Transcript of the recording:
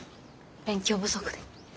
勉強不足で。